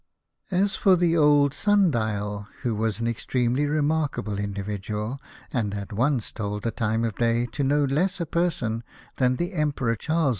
As for the old Sundial, who was an ex tremely remarkable individual, and had once told the time of day to no less a person than the Emperor Charles V.